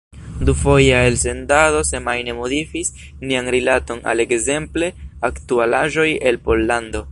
Dufoja elsendado semajne modifis nian rilaton al ekzemple aktualaĵoj el Pollando.